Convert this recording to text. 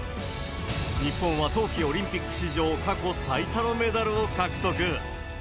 日本は冬季オリンピック史上、過去最多のメダルを獲得。